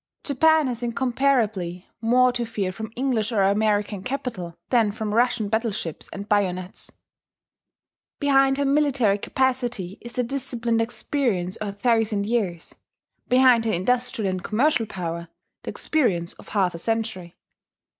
Japan has incomparably more to fear from English or American capital than from Russian battleships and bayonets. Behind her military capacity is the disciplined experience of a thousand years; behind her industrial and commercial power, the experience of half a century.